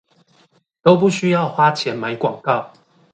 都不需要花錢買廣告